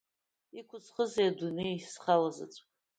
Иқәысхуазеи адунеи, схалазаҵәык?